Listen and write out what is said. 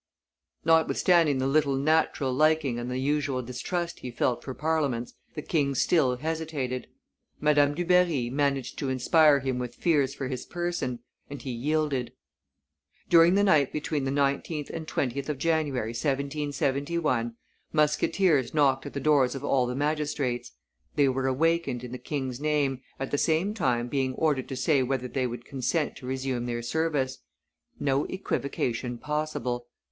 Notwithstanding the little natural liking and the usual distrust he felt for Parliaments, the king still hesitated. Madame Dubarry managed to inspire him with fears for his person; and he yielded. During the night between the 19th and 20th of January, 1771, musketeers knocked at the doors of all the magistrates; they were awakened in the king's name, at the same time being ordered to say whether they would consent to resume their service. No equivocation possible!